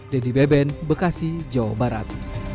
dedy beben bekasi jawa barat